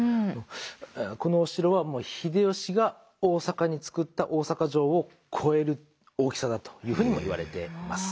このお城は秀吉が大坂に造った大坂城を超える大きさだというふうにもいわれています。